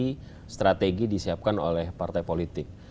hati hati strategi disiapkan oleh partai politik